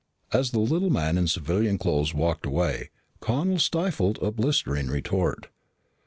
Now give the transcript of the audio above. As the little man in civilian clothes walked away, Connel stifled a blistering retort.